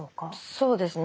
そうですね。